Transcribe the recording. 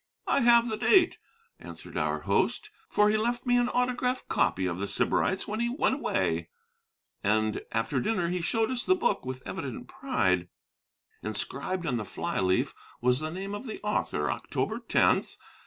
"I have the date," answered our host, "for he left me an autograph copy of The Sybarites when he went away." And after dinner he showed us the book, with evident pride. Inscribed on the fly leaf was the name of the author, October 10th.